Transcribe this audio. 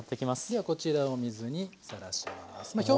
ではこちらお水にさらします。